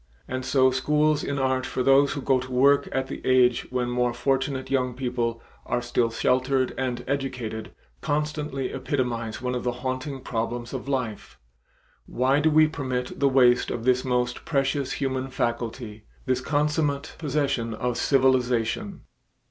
And so schools in art for those who go to work at the age when more fortunate young people are still sheltered and educated, constantly epitomize one of the haunting problems of life; why do we permit the waste of this most precious human faculty, this consummate possession of civilization?